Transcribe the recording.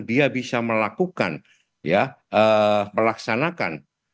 dia bisa melakukan ya melaksanakan